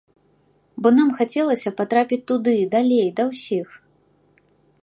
Бо нам хацелася патрапіць туды, далей, да ўсіх.